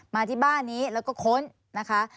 มาที่บ้านนี้แล้วก็ค้นนะคะ